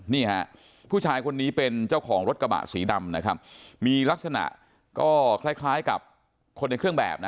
นี่ฮะผู้ชายคนนี้เป็นเจ้าของรถกระบะสีดำนะครับมีลักษณะก็คล้ายคล้ายกับคนในเครื่องแบบนะ